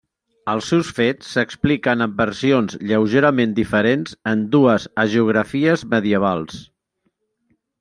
Els seus fets s'expliquen en versions lleugerament diferents en dues hagiografies medievals.